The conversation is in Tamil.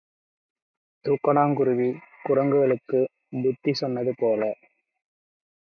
தூக்குனங்குருவி குரங்குக்குப் புத்தி சொன்னது போல